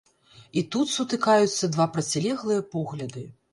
І тут сутыкаюцца два процілеглыя погляды.